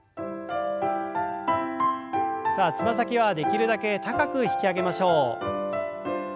さあつま先はできるだけ高く引き上げましょう。